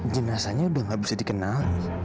jenasanya sudah tidak bisa dikenal